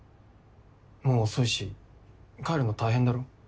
もう遅いし帰るの大変だろ？